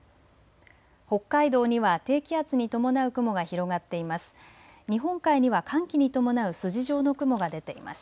北海道には低気圧に伴う雲が広がっています。